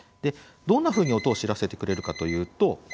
どんなふうに音を知らせてくれるかというと。